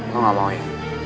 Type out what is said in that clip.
lo gak mau ya